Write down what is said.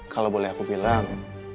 kalau boleh aku bilang